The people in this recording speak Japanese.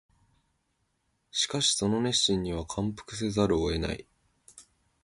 しかしその熱心には感服せざるを得ない